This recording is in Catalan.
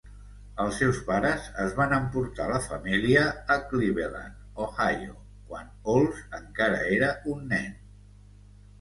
Els seus pares es van emportar la família a Cleveland, Ohio, quan Olds encara era un nen.